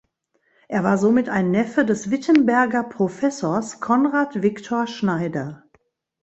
Er war somit ein Neffe des Wittenberger Professors Konrad Viktor Schneider.